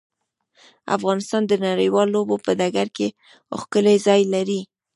افغانستان د نړیوالو لوبو په ډګر کې ښکلی ځای لري.